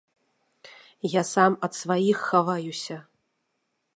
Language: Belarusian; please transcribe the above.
Я сам ад сваіх хаваюся.